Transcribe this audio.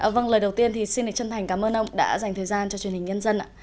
vâng lời đầu tiên thì xin đề chân thành cảm ơn ông đã dành thời gian cho truyền hình nhân dân ạ